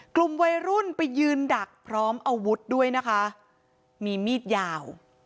กลุ่มวัยรุ่นไปยืนดักพร้อมอาวุธด้วยนะคะมีมีดยาว